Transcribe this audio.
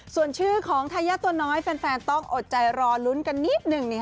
ส่วนชื่อของทายาทตัวน้อยแฟนต้องอดใจรอลุ้นกันนิดหนึ่ง